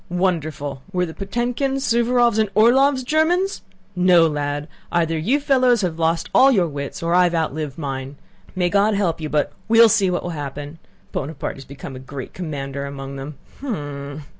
"Wonderful!... Were the Potëmkins, Suvórovs, and Orlóvs Germans? No, lad, either you fellows have all lost your wits, or I have outlived mine. May God help you, but we'll see what will happen. Buonaparte has become a great commander among them! Hm!..."